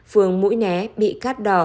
phường mũi né bị cắt đỏ